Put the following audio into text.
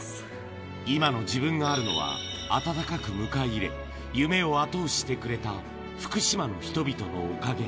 今の自分があるのは、温かく迎え入れ、夢を後押ししてくれた福島の人々のおかげ。